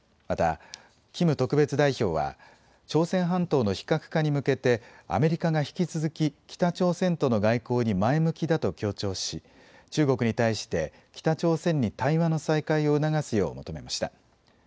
またキム特別代表は朝鮮半島の非核化に向けてアメリカが引き続き北朝鮮との外交に前向きだと強調し中国に対して北朝鮮に対話の再開を促すよう求めました。